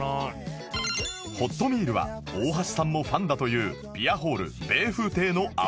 ホットミールは大橋さんもファンだというビアホール米風亭の油そば